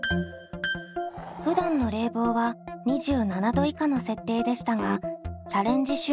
ふだんの冷房は２７℃以下の設定でしたがチャレンジ